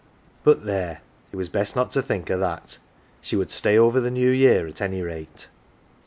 But there ! it was best not to think o' that. She would stay over the New Year at any rate.